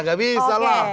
gak bisa lah